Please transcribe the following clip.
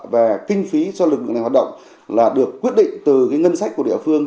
về kinh phí cho lực lượng này hoạt động là được quyết định từ ngân sách của địa phương